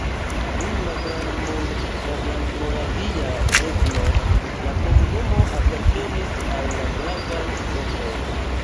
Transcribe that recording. Dum la Grandmoravia Regno la komunumo apartenis al la gravaj lokoj.